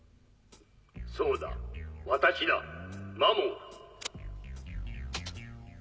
そうだ私だマモーだ。